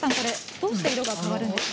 どうして色が変わるんですか？